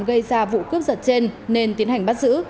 gây ra vụ cướp giật trên nên tiến hành bắt giữ